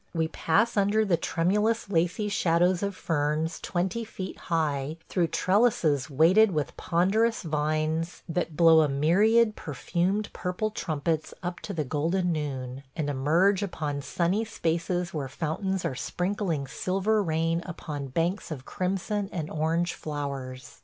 We pass under the tremulous lacey shadows of ferns twenty feet high, through trellises weighted with ponderous vines that blow a myriad perfumed purple trumpets up to the golden noon, and emerge upon sunny spaces where fountains are sprinkling silver rain upon banks of crimson and orange flowers.